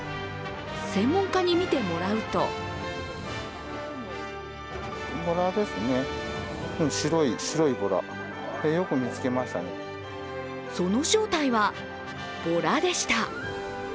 専門家に見てもらうとその正体はボラでした。